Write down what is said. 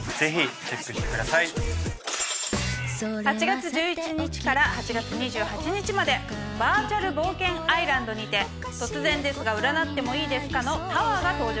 ８月１１日から８月２８日までバーチャル冒険アイランドにて『突然ですが占ってもいいですか？』のタワーが登場します。